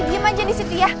diam aja disitu ya